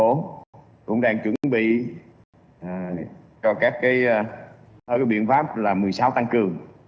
bộ y tế công bố cũng đang chuẩn bị cho các biện pháp là một mươi sáu tăng cường